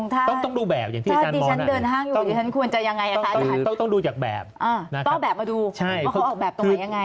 ต้องดูแบบอย่างที่อาจารย์มองต้องดูจากแบบต้องแบบมาดูว่าเขาออกแบบตรงไหนยังไง